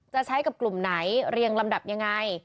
จะใช้กับกลุ่มไหนเรียงลำดับยังไง